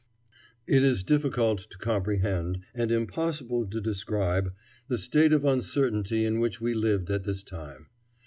It is difficult to comprehend, and impossible to describe, the state of uncertainty in which we lived at this time.